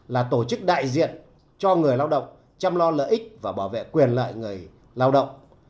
là tổ chức đại diện cho người lao động chăm lo lợi ích và bảo vệ quyền lợi người lao động